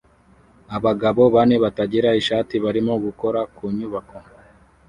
Abagabo bane batagira ishati barimo gukora ku nyubako